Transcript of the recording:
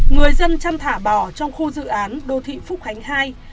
người dân chăm thả bỏ trong khu dự án đô thị phúc khánh ii